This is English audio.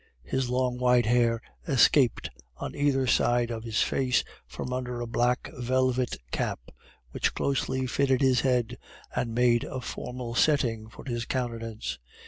His long white hair escaped on either side of his face from under a black velvet cap which closely fitted his head and made a formal setting for his countenance.